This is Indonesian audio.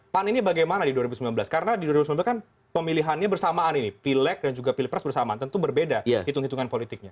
pan ini bagaimana di dua ribu sembilan belas karena di dua ribu sembilan belas kan pemilihannya bersamaan ini pileg dan juga pilpres bersamaan tentu berbeda hitung hitungan politiknya